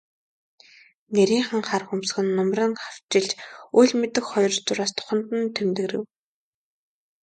Нарийхан хар хөмсөг нь нумран хөвчилж, үл мэдэг хоёр зураас духанд нь тэмдгэрэв.